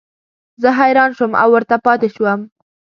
زه حیران شوم او ورته پاتې شوم.